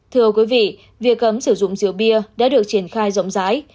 thưa quý vị việc cấm sử dụng rượu bia đã được triển khai rộng rãi